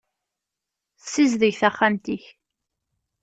Ssizdeg taxxamt-ik.